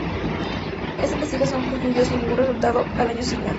Esta investigación concluyó sin ningún resultado al año siguiente.